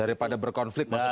daripada berkonflik maksud anda